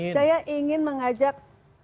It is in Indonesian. saya ingin mengajak